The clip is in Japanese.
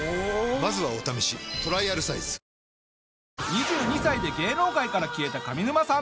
２２歳で芸能界から消えた上沼さん。